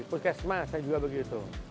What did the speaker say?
puskesma saya juga begitu